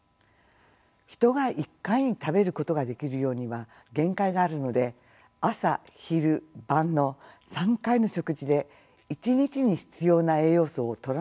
人が一回に食べることができる量には限界があるので朝昼晩の３回の食事で一日に必要な栄養素をとらなければなりません。